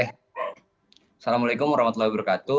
assalamualaikum wr wb